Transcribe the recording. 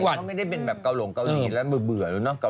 วันนี้ไม่ได้เป็นแบบเกาหลงเกาหลีแล้วเบื่อแล้วเนอะ